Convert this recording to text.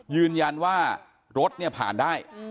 ยืนยันว่ารถเนี่ยผ่านได้